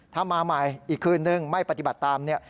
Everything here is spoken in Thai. ถ้ามาใหม่อีกคืนนึงไม่ปฏิบัติตามเนี่ย